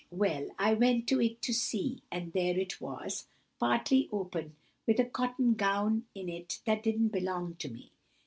"Well, I went to it to see, and there it was, partly open, with a cotton gown in it that didn't belong to me.